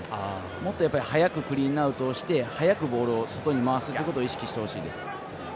もっと速くクリーンアウトをして早くボールを外に回すということを意識してほしいです。